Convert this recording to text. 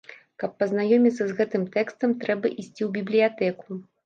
Каб пазнаёміцца з гэтым тэкстам, трэба ісці ў бібліятэку.